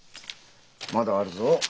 まだあるぞ。